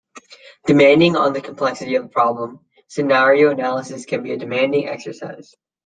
Depending on the complexity of the problem, scenario analysis can be a demanding exercise.